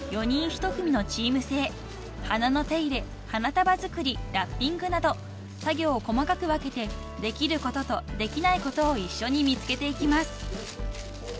［花の手入れ花束作りラッピングなど作業を細かく分けてできることとできないことを一緒に見つけていきます］